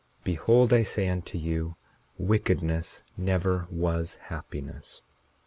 Behold, I say unto you, wickedness never was happiness.